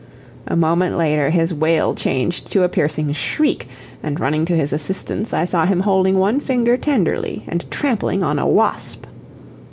A moment later his wail changed to a piercing shriek; and running to his assistance, I saw him holding one finger tenderly and trampling on a wasp.